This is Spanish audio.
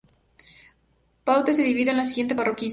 Paute se divide en las siguientes parroquias.